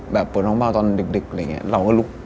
แบบปวดท้องเบาตอนดึก